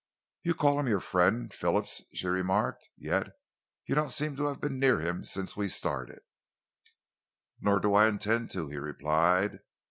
"You call him your friend Phillips," she remarked, "yet you don't seem to have been near him since we started." "Nor do I intend to," he replied.